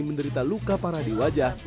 menderita luka parah di wajah